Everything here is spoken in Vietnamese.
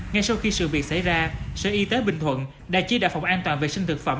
ngay sau khi sự việc xảy ra sở y tế bình thuận đã chia đạo phòng an toàn vệ sinh thực phẩm